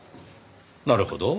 なるほど。